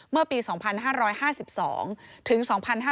เมื่อปี๒๕๕๒ถึง๒๕๕๙